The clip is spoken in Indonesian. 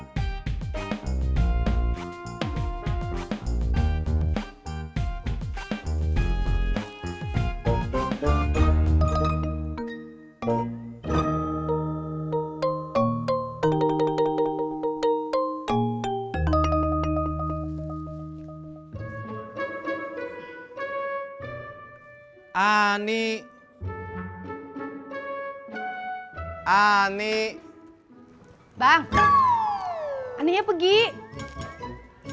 biar kata libur ada aja yang dikerjain